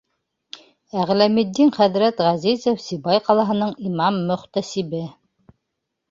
Әғләметдин хәҙрәт ҒӘЗИЗОВ, Сибай ҡалаһының имам-мөхтәсибе: